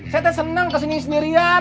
saya senang kesini sendirian